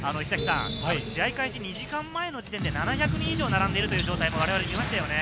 試合開始２時間前の時点で７００人以上並んでいる状態を見ましたね。